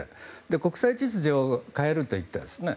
国際秩序を変えると言ったんですね。